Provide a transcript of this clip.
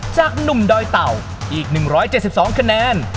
จากหนุ่มดอยเต่าอีก๑๗๒คะแนน